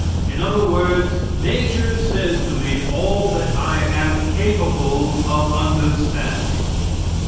In other words, nature says to me all that I am capable of understanding.